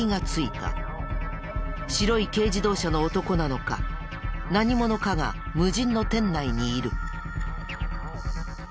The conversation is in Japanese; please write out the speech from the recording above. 白い軽自動車の男なのか何者かが無人の店内にいる。